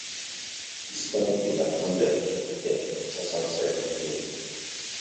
Easton is a hamlet which the Anglo Saxons settled in.